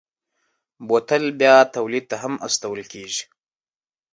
بوتل بیا تولید ته هم استول کېږي.